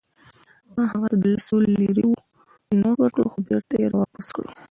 ما هغه ته د لسو لیرو یو نوټ ورکړ، خو بیرته يې راواپس کړ.